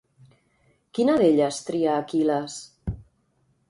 Quina d'elles tria Aquil·les?